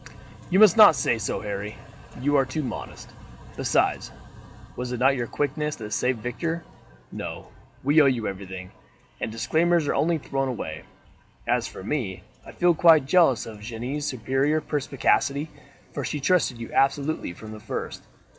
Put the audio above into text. "You must not say so, Harry. You are too modest. Besides, was it not your quickness that saved Victor? No, we owe you everything, and disclaimers are only thrown away. As for me, I feel quite jealous of Jeanne's superior perspicacity, for she trusted you absolutely from the first."